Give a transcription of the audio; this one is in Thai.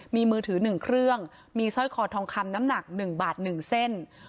มีมือถือ๑เครื่องมีสร้อยคอทองคำน้ำหนัก๑บาท๑เส้น